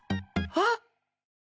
あっ？